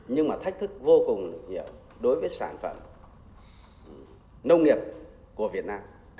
nhưng mà thách thức vô cùng nhiều đối với sản phẩm nông nghiệp của việt nam